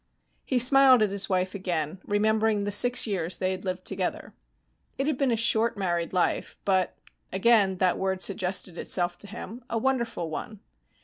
He smiled at his wife again, remembering the six years they had lived together. It had been a short married life, but again the word suggested itself to him a wonderful one.